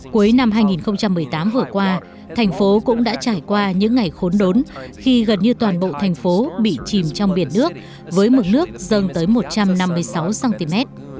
cuối năm hai nghìn một mươi tám vừa qua thành phố cũng đã trải qua những ngày khốn đốn khi gần như toàn bộ thành phố bị chìm trong biển nước với mực nước dâng tới một trăm năm mươi sáu cm